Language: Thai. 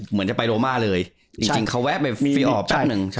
เหมือนจะไปโรมาเลยจริงเขาแวะไปฟรีออปชั้นหนึ่ง